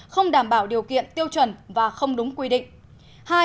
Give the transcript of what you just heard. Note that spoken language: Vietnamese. không đảm bảo điều kiện tiêu chuẩn và không đúng quy định